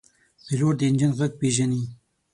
پیلوټ د انجن غږ پېژني.